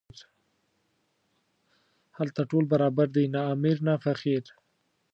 هلته ټول برابر دي، نه امیر نه فقیر.